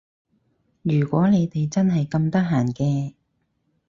如果你哋真係咁得閒嘅